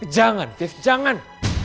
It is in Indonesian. jangan afis jangan